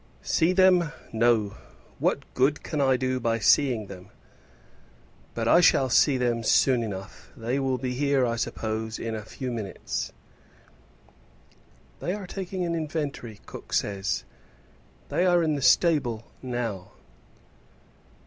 "See them; no; what good can I do by seeing them? But I shall see them soon enough; they will be here, I suppose, in a few minutes." "They are taking an inventory, cook says; they are in the stable now."